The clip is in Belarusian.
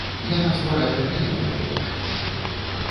Яна стварае прыемнае ўражанне.